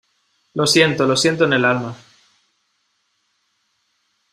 lo siento, lo siento en el alma.